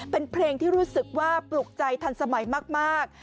เป็นเพลงที่รู้สึกว่าปลุกใจทันสมัยมาก